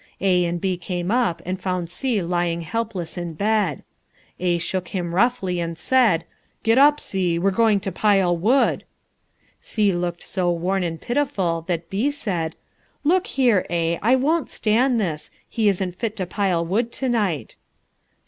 A and B came home and found C lying helpless in bed. A shook him roughly and said, "Get up, C, we're going to pile wood." C looked so worn and pitiful that B said, "Look here, A, I won't stand this, he isn't fit to pile wood to night."